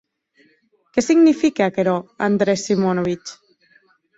Qué signifique aquerò, Andrés Simonovitch?